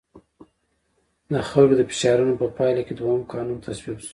د خلکو د فشارونو په پایله کې دویم قانون تصویب شو.